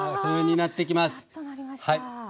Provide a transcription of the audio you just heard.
しなっとなりました。